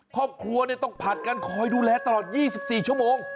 ครอบครัวต้องผัดกันคอยดูแลตลอด๒๔ชั่วโมง